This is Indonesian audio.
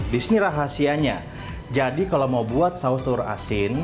di sini rahasianya jadi kalau mau buat saus telur asin